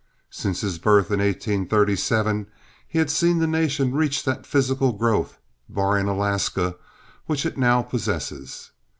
Since his birth in 1837 he had seen the nation reach that physical growth—barring Alaska—which it now possesses.